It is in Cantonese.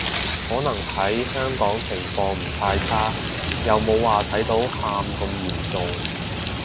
可能喺香港情況唔太差，又冇話睇到喊咁嚴重